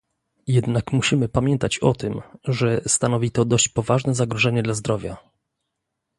Jednak musimy pamiętać o tym, że stanowi to dość poważne zagrożenie dla zdrowia